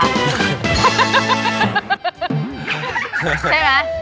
ใช่ไหม